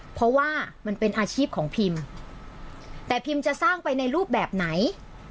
เพราะว่ามันเป็นอาชีพของพิมแต่พิมจะสร้างไปในรูปแบบไหน